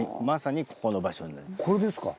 まさにここの場所になります。